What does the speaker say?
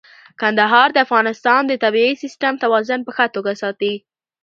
کندهار د افغانستان د طبیعي سیسټم توازن په ښه توګه ساتي.